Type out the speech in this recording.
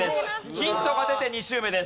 ヒントが出て２周目です。